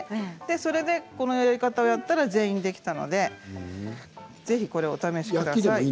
それでこのやり方をやったら全員できたのでぜひこれをお試しください。